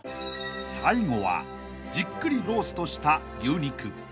［最後はじっくりローストした牛肉］